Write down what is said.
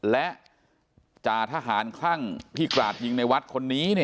และจ่าทหารคลั่งที่กราดยิงในวัดคนนี้